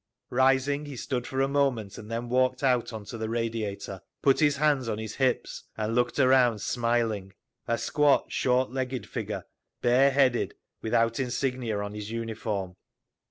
Rising he stood for a moment, and then walked out on the radiator, put his hands on his hips and looked around smiling, a squat, short legged figure, bare headed, without insignia on his uniform.